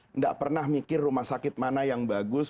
tidak pernah mikir rumah sakit mana yang bagus